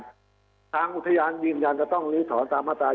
ถ้าอยากอุทธยานบินกันก็ต้องลื้อถอนตามมาตรา๒๒